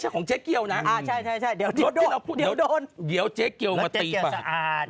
รถเจ๊เกียว์เนี่ยเค้าบอกว่า